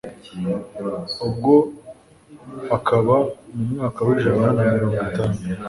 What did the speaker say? ubwo hakaba mu mwaka w'ijana na mirongo itanu